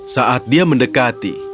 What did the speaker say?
saat dia mendekati